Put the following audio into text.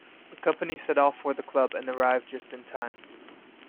The company set off for the club and arrive just in time.